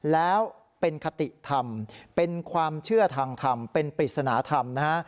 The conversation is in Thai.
แล้วเป็นคติธรรมเป็นความเชื่อทางธรรมเป็นปริศนธรรมนะฮะ